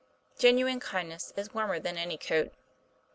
Genuine kindness is warmer than any coat.